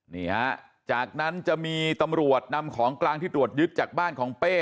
นี่ฮะจากนั้นจะมีตำรวจนำของกลางที่ตรวจยึดจากบ้านของเป้